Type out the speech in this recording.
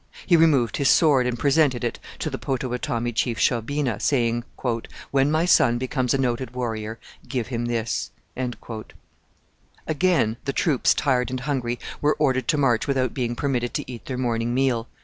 He removed his sword, and presented it to the Potawatomi chief Shaubena, saying, 'When my son becomes a noted warrior, give him this.' Again the troops, tired and hungry, were ordered to march without being permitted to eat their morning meal.